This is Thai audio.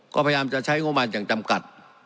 ก็พยายามจะใช้งบประมาณอย่างจำกัด